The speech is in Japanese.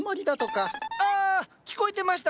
ああ聞こえてましたか。